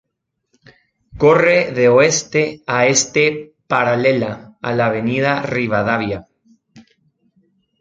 Corre de oeste a este paralela a la avenida Rivadavia.